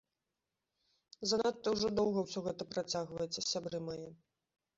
Занадта ўжо доўга ўсё гэта працягваецца, сябры мае.